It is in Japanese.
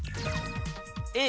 Ａ